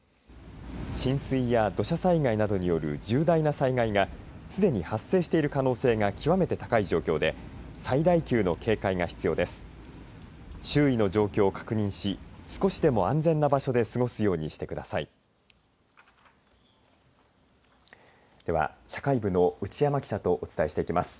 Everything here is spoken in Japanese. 浸水や土砂災害などによる重大な災害がすでに発生してる可能性が極めて高い状況で最大級の警戒が必要です。